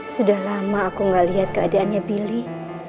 sudah lama aku gak liat keadaannya billy